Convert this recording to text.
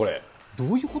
どういうこと？